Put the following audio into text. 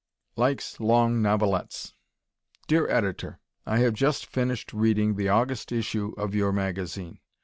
Likes Long Novelettes Dear Editor: I have just finished reading the August issue of your magazine.